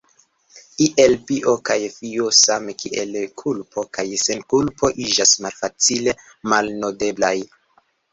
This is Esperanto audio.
Iel pio kaj fio, same kiel kulpo kaj senkulpo, iĝas malfacile malnodeblaj.